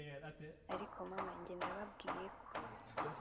ariko mama jye nababwiye ko